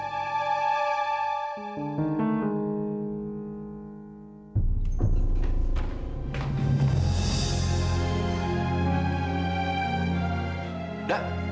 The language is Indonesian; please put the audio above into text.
bajah tuh awk